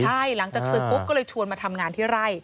ใช่หลังจากศึกปุ๊บก็เลยชวนมาทำงานที่ไร่